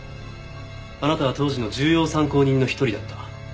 あなたは当時の重要参考人の一人だった。